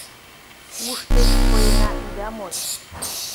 Уш деч поена ида мод.